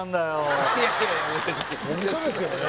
ホントですよね